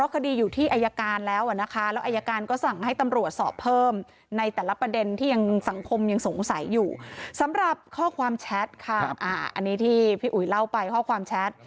อันนี้ข้อความแชทค่ะอันนี้ที่พี่อุ๋ยเล่าไปข้อความแชท